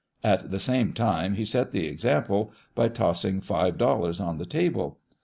At the same time lie set the example by tossing five dollars on the table.